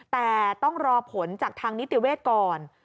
แต่ต้องรอผลจากทางนิติเวทย์ก่อน